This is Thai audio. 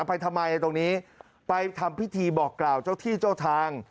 ไปทำไมตรงนี้ไปทำพิธีบอกกล่าวเจ้าที่เจ้าทาง